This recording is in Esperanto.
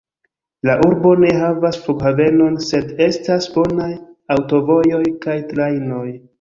La urbo ne havas flughavenon, sed estas bonaj aŭtovojoj kaj trajnoj.